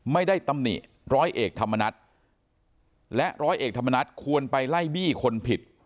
ตำหนิร้อยเอกธรรมนัฏและร้อยเอกธรรมนัฐควรไปไล่บี้คนผิด